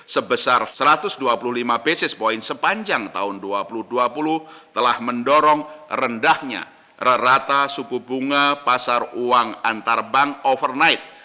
sebesar satu ratus dua puluh lima basis point sepanjang tahun dua ribu dua puluh telah mendorong rendahnya rata suku bunga pasar uang antar bank overnight